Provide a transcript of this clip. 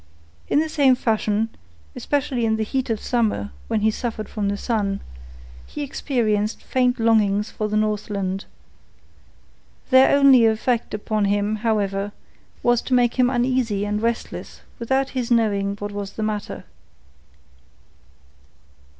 In the same fashion, especially in the heat of summer when he suffered from the sun, he experienced faint longings for the Northland. Their only effect upon him, however, was to make him uneasy and restless without his knowing what was the matter.